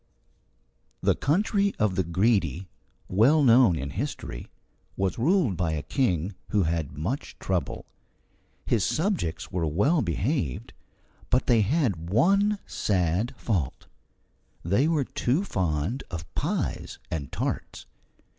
The country of the Greedy, well known in history, was ruled by a king who had much trouble. His subjects were well behaved, but they had one sad fault: they were too fond of pies and tarts.